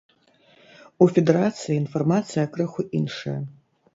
У федэрацыі інфармацыя крыху іншая.